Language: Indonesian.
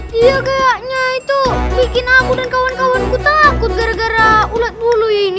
dia kayaknya itu bikin aku dan kawan kawanku takut gara gara ulat bulu ini